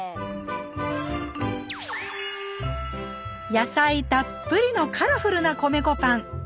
野菜たっぷりのカラフルな米粉パン。